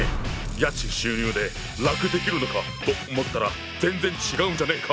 家賃収入で楽できるのかと思ったら全然違うじゃねえか！